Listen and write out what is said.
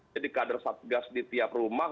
jadi kader satgas di tiap rumah